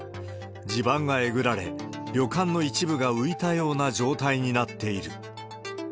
地盤がえぐられ、旅館の一部が浮いたような状態になっている。